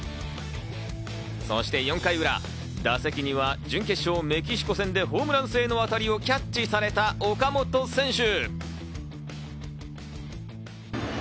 そして４回裏、打席には準決勝メキシコ戦でホームラン性の当たりをキャッチされた岡本選手。